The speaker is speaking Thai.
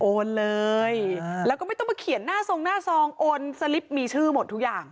เลยแล้วก็ไม่ต้องมาเขียนหน้าทรงหน้าซองโอนสลิปมีชื่อหมดทุกอย่าง